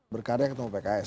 berkarya ketemu pks